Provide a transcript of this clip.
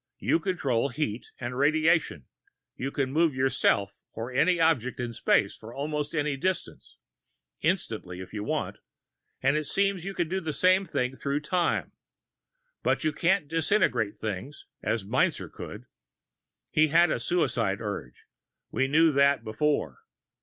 You control heat and radiation, you can move yourself or any object in space for almost any distance, instantly if you want, and it seems you can do the same through time. But you can't disintegrate things, as Meinzer could. He had a suicide urge we knew that before.